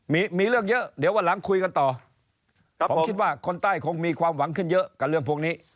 มีมีเรื่องเยอะเดี๋ยววันหลังคุยกันต่อผมคิดว่าคนใต้คงมีความหวังขึ้นเยอะกับเรื่องพวกนี้